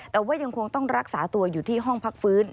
แต่ว่ายังคงต้องรักษาตัวอยู่ที่ห้องพักฟื้น